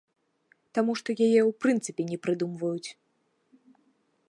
Таму што яе ў прынцыпе не прыдумваюць.